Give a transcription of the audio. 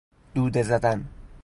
دوده زدن